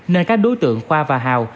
nên các đối tượng khoa và hào